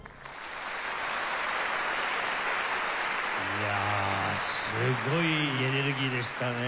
いやすごいエネルギーでしたね。